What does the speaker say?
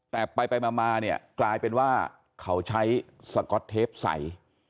แต่ไปมาเนี่ยกลายเป็นว่าเขาใช้สก๊อตเทปใส